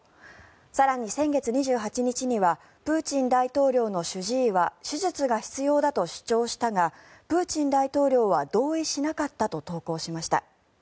更に先月２８日にはプーチン大統領の主治医は手術が必要だと主張したがプーチン大統領は同意しなかったと投稿しました。